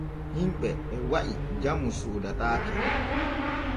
Himɓe e wi’a jamu soodataake.